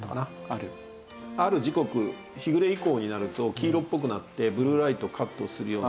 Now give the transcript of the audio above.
ある時刻日暮れ以降になると黄色っぽくなってブルーライトをカットするような。